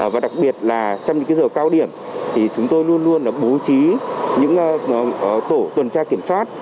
và đặc biệt là trong những giờ cao điểm thì chúng tôi luôn luôn bố trí những tổ tuần tra kiểm soát